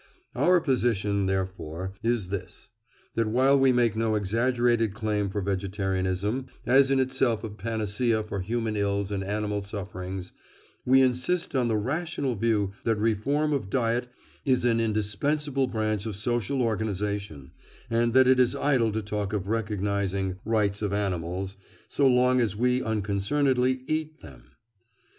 Our position, therefore, is this—that while we make no exaggerated claim for vegetarianism, as in itself a panacea for human ills and animal sufferings, we insist on the rational view that reform of diet is an indispensable branch of social organisation, and that it is idle to talk of recognising "rights of animals" so long as we unconcernedly eat them.